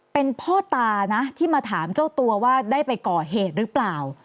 เป็นพ่อตานะที่มาถามเจ้าตัวว่าได้ไปก่อเหตุหรือเปล่า